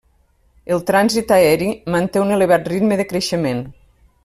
El trànsit aeri manté un elevat ritme de creixement.